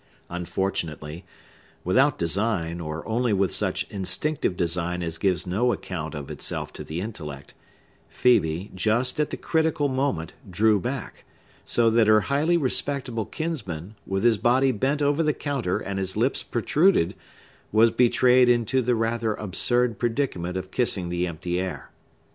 Unfortunately (without design, or only with such instinctive design as gives no account of itself to the intellect) Phœbe, just at the critical moment, drew back; so that her highly respectable kinsman, with his body bent over the counter and his lips protruded, was betrayed into the rather absurd predicament of kissing the empty air.